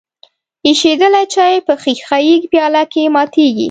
ایشیدلی چای په ښیښه یي پیاله کې ماتیږي.